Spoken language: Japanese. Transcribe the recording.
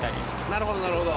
なるほどなるほど。